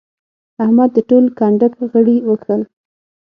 احمد د ټول کنډک غړي وکښل.